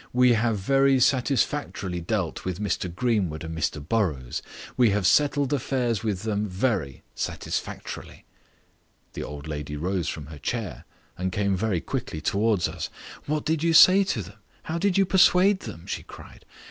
"We have very satisfactorily dealt with Mr Greenwood and Mr Burrows. We have settled affairs with them very satisfactorily." The old lady rose from her chair and came very quickly towards us. "What did you say to them? How did you persuade them?" she cried.